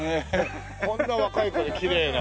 こんな若い子できれいな。